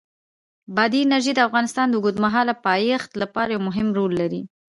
بادي انرژي د افغانستان د اوږدمهاله پایښت لپاره یو مهم رول لري.